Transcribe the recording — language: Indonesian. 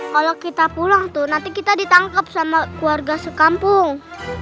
kalau kita pulang tuh nanti kita ditangkap sama keluarga sekampung